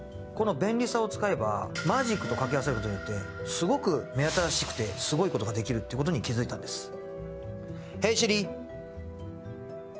この便利さを使えばマジックと掛け合わせることによって凄く目新しくて凄いことが出来る事に気付いたんです。